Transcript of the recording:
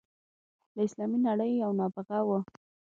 د اسلامي نړۍ یو نابغه وو.